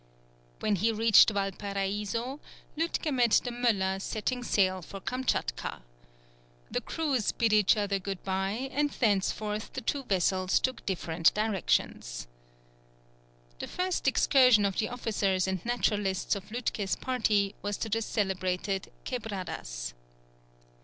When he reached Valparaiso, Lütke met the Möller setting sail for Kamtchatka. The crews bid each other good bye, and thenceforth the two vessels took different directions. The first excursion of the officers and naturalists of Lütke's party was to the celebrated "quebradas."